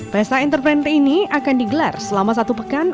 pesta entrepreneur ini akan digelar selama satu pekan